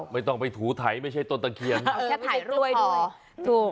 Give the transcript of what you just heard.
ไม่ต้องไปถูไทยไม่ใช่ตนตะเคียงแค่ถ่ายรวยด้วย